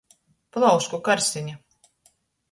Plaušku karsine.